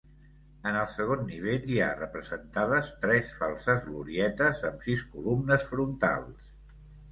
En el segon nivell hi ha representades tres falses glorietes amb sis columnes frontals.